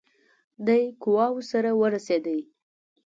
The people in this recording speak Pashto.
دی قواوو سره ورسېدی.